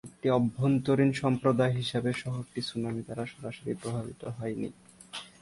একটি অভ্যন্তরীণ সম্প্রদায় হিসাবে, শহরটি সুনামি দ্বারা সরাসরি প্রভাবিত হয়নি।